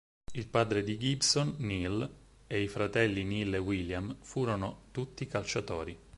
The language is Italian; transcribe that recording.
Il padre di Gibson, Neil, ed i fratelli Neil e William, furono tutti calciatori.